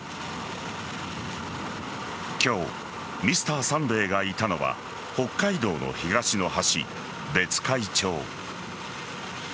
今日「Ｍｒ．サンデー」がいたのは北海道の東の端別海町。